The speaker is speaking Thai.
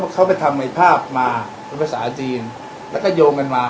เขาไปทำในภาพมาเป็นภาษาจีนแล้วก็โยงกันมา